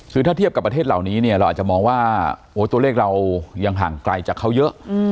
คือถ้าเทียบกับประเทศเหล่านี้เนี่ยเราอาจจะมองว่าตัวเลขเรายังห่างไกลจากเขาเยอะ